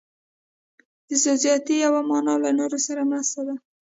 د زړورتیا یوه معنی له نورو سره مرسته ده.